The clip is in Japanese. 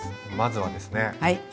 まずはですね